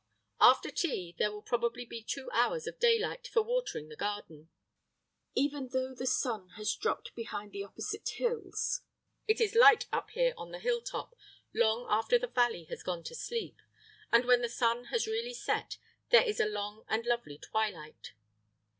After tea, there will probably be two hours of daylight for watering the garden. Even though the sun has dropped behind the opposite hills, it is light up here on the hill top long after the valley has gone to sleep; and when the sun has really set, there is a long and lovely twilight.